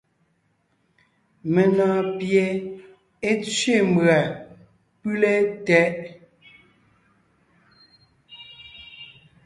Menɔ̀ɔn pie é tsẅé mbʉ̀a pʉ́le tɛʼ.